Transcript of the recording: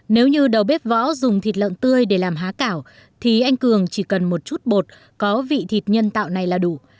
nếu như đầu bếp võ dùng thịt lợn tươi để làm há cảo thì anh cường chỉ cần một chút bột có vị thịt nhân tạo này là đủ